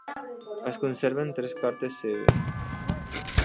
Es conserven tres cartes seves.